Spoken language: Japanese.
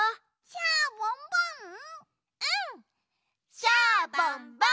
シャボンボン！